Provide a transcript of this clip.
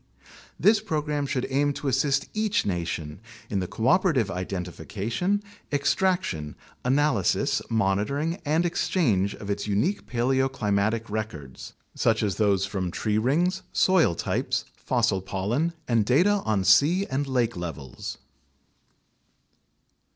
This program should aim to assist each nation in the cooperative identification, extraction, analysis, monitoring, and exchange of its unique paleoclimatic records, such as those from tree rings, soil types, fossil pollen, and data on sea and lake levels.